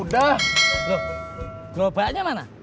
loh gerobaknya mana